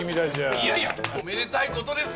いやいやおめでたい事ですよ！